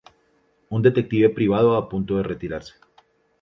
Un detective privado a punto de retirarse.